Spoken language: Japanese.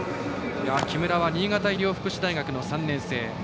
木村は新潟医療福祉大学の３年生。